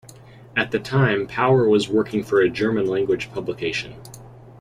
At the time Power was working for a German-language publication.